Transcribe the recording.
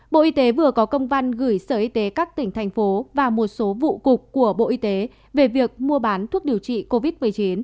bộ y tế vừa có công văn gửi sở y tế các tỉnh thành phố và một số vụ cục của bộ y tế về việc mua bán thuốc điều trị covid một mươi chín